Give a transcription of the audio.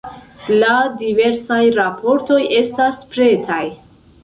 La diversaj raportoj estas pretaj!